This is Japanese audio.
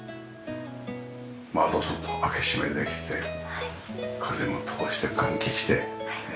窓外開け閉めできて風も通して換気して。